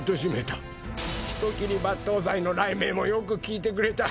人斬り抜刀斎の雷名もよくきいてくれた。